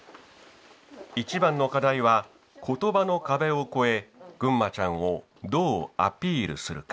一番の課題は言葉の壁を越えぐんまちゃんをどうアピールするか。